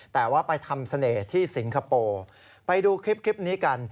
แต่ว่าไปทำเสน่ห์ที่สิงคโปร์ไปดูคลิปนี้กัน